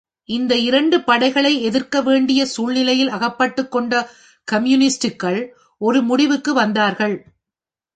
இந்த இரண்டு படைகளை எதிர்க்க வேண்டிய சூழ்நிலையில் அகப்பட்டுக்கொண்ட கம்யூனிஸ்டுகள் ஒரு முடிவுக்கு வந்தார்கள்.